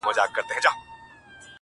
دا به چيري خيرن سي”